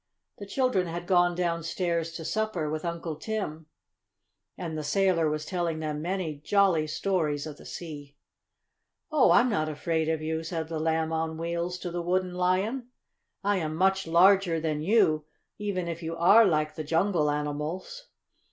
The children had gone downstairs to supper with Uncle Tim, and the sailor was telling them many jolly stories of the sea. "Oh, I'm not afraid of you," said the Lamb on Wheels to the Wooden Lion. "I am much larger than you, even if you are like the jungle animals."